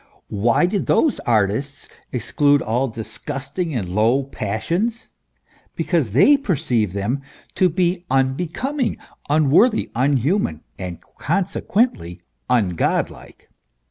Why did those artists exclude all disgust ing and low passions ? Because they perceived them to be un becoming, unworthy, unhuman, and consequently ungodlike.